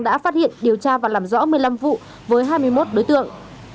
đã phát hiện điều tra và làm rõ một mươi năm vụ với hai mươi một đối tượng